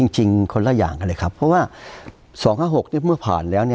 จริงคนละอย่างกันเลยครับเพราะว่า๒๕๖เมื่อผ่านแล้ว